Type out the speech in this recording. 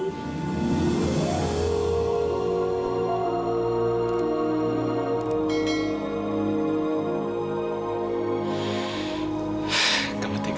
kamu penting banget ya sama aku